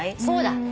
そうだ。